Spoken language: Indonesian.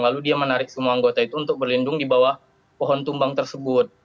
lalu dia menarik semua anggota itu untuk berlindung di bawah pohon tumbang tersebut